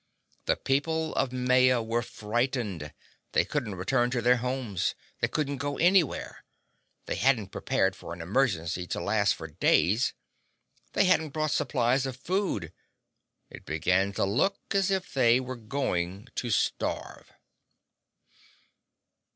The people of Maya were frightened. They couldn't return to their homes. They couldn't go anywhere. They hadn't prepared for an emergency to last for days. They hadn't brought supplies of food. It began to look as if they were going to starve.